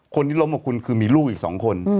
คนที่ล้มกับคุณคือมีลูกอีก๒คน